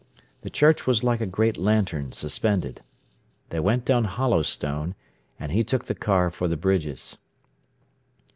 The church was like a great lantern suspended. They went down Hollow Stone, and he took the car for the Bridges.